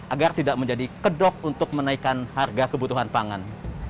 agar tidak menjadi kedok untuk menaikkan harga kebutuhan pangan